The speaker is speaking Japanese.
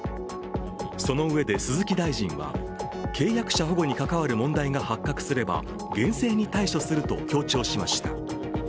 そのうえで、鈴木大臣は契約者保護に関わる問題が発覚すれば厳正に対処すると強調しました。